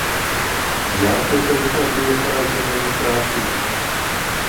Як гэта вы тады якраз да мяне трапілі?